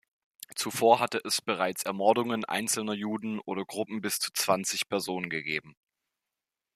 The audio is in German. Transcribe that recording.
Zuvor hatte es bereits Ermordungen einzelner Juden oder Gruppen bis zu zwanzig Personen gegeben.